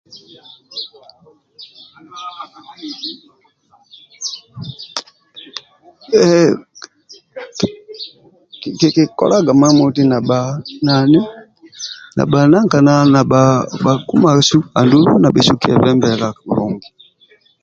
Kikikolaga mamoti nabhankumasu andulu nabhesu kyebembela kulungi